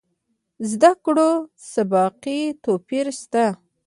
زده کړو سابقې توپیر شته.